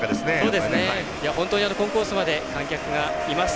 本当にコンコースまで観客がいます